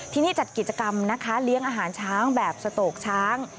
ที่นี่จัดกิจกรรมนะคะเลี้ยงอาหารช้างแบบสโตกช้าง